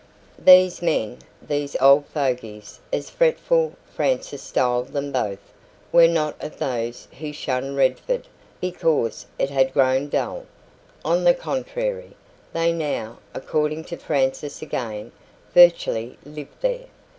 These men these old fogies, as fretful Frances styled them both were not of those who shunned Redford because it had grown dull; on the contrary, they now according to Frances again virtually lived there.